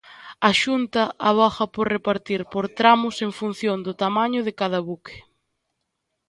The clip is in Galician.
A Xunta avoga por repartir por tramos en función do tamaño de cada buque.